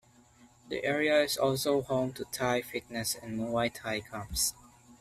The area is also home to Thai fitness and muay Thai camps.